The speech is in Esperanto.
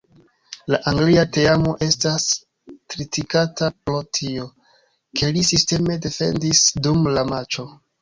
La Anglia teamo estas kritikata pro tio, ke li sisteme defendis dum la matĉo.